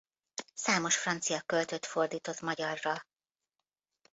Számos francia költőt fordított magyarra.